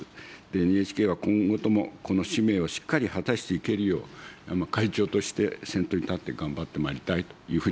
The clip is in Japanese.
ＮＨＫは今後ともこの使命をしっかり果たしていけるよう、会長として先頭に立って頑張ってまいりたいというふうに思っております。